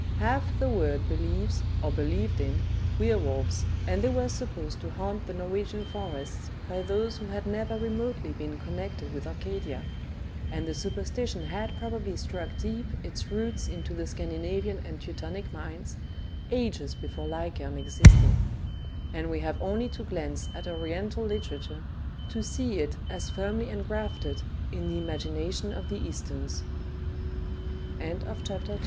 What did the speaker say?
Half the world believes, or believed in, were wolves, and they were supposed to haunt the Norwegian forests by those who had never remotely been connected with Arcadia : and the superstition had probably struck deep its roots into the Scandinavian and Teutonic minds, ages before Lycaon existed ; and we have only to glance at Oriental literature, to see it